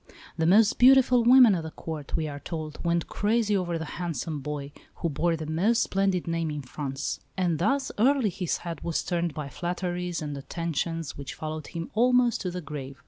The most beautiful women at the Court, we are told, went crazy over the handsome boy, who bore the most splendid name in France; and thus early his head was turned by flatteries and attentions which followed him almost to the grave.